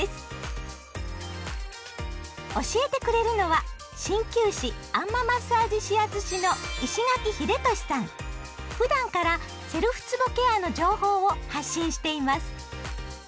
教えてくれるのは鍼灸師あん摩マッサージ指圧師のふだんからセルフつぼケアの情報を発信しています。